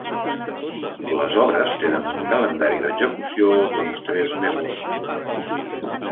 Les obres tenen un calendari d’execució d’uns tres mesos.